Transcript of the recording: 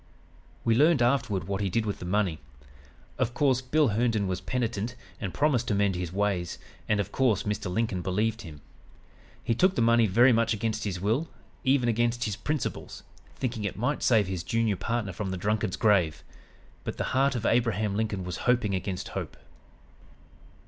"We learned afterward what he did with the money. Of course, Bill Herndon was penitent and promised to mend his ways, and, of course, Mr. Lincoln believed him. He took the money very much against his will, even against his principles thinking it might save his junior partner from the drunkard's grave. But the heart of Abraham Lincoln was hoping against hope."